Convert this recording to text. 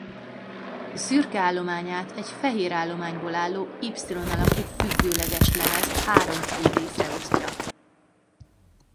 Szürke állományát egy fehérállományból álló Y alakú függőleges lemez három fő részre osztja.